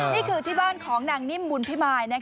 นี่คือที่บ้านของนางนิ่มบุญพิมาย